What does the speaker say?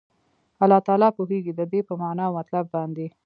الله تعالی پوهيږي ددي په معنا او مطلب باندي